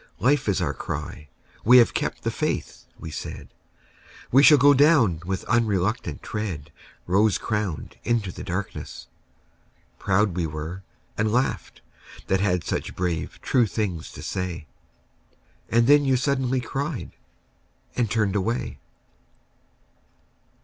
Life is our cry. We have kept the faith!" we said; "We shall go down with unreluctant tread Rose crowned into the darkness!" ... Proud we were, And laughed, that had such brave true things to say. And then you suddenly cried, and turned away.